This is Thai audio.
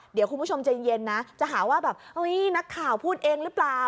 เดี๋ยวคุณผู้ชมใจเย็นนะจะหาว่าแบบเฮ้ยนักข่าวพูดเองหรือเปล่า